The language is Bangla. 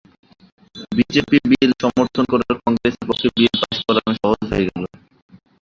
বিজেপি বিল সমর্থন করায় কংগ্রেসের পক্ষে বিল পাস করানো সহজ হয়ে গেল।